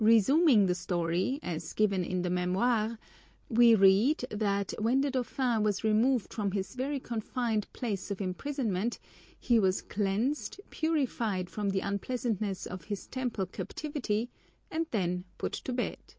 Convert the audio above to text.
Resuming the story, as given in the Mémoires, we read, that when the dauphin was removed from his very confined place of imprisonment he was cleansed, purified from the unpleasantness of his Temple captivity, and then put to bed.